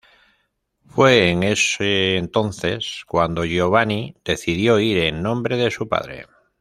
Fue en ese entonces cuando Giovanni decidió ir en nombre de su padre.